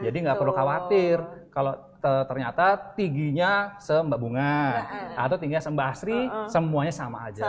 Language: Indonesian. jadi nggak perlu khawatir kalau ternyata tingginya se mbak bunga atau tingginya se mbak asri semuanya sama